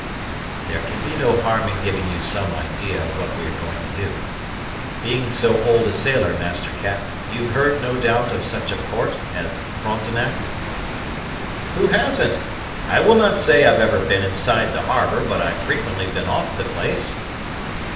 "There can be no harm in giving you some idea of what we are going to do. Being so old a sailor, Master Cap, you've heard, no doubt, of such a port as Frontenac?" "Who hasn't? I will not say I've ever been inside the harbor, but I've frequently been off the place."